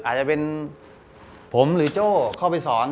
อาจจะเป็นผมหรือโจ้เข้าไปสอน